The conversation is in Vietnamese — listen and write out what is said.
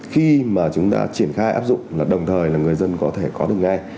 khi mà chúng ta triển khai áp dụng là đồng thời là người dân có thể có được ngay